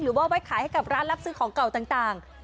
ไว้ขายให้กับร้านรับซื้อของเก่าต่าง